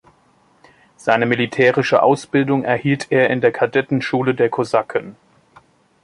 Seine militärische Ausbildung erhielt er in der Kadettenschule der Kosaken.